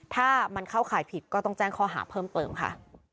ถ้ามันเข้าข่ายผิดก็ต้องแจ้งข้อหาเพิ่มเติมค่ะ